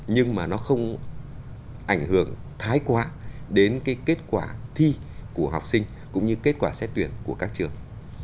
nhưng mà nó không ảnh hưởng thái quá đến cái kết quả thi của học sinh cũng như kết quả xét tuyển của các trường